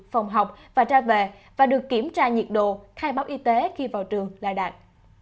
phòng học và ra về và được kiểm tra nhiệt độ khai báo y tế khi vào trường là đạt